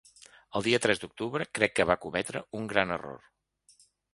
El dia tres d’octubre crec que va cometre un gran error.